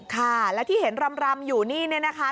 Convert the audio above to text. ค่ะแล้วที่เห็นรำอยู่นี่เนี่ยนะคะ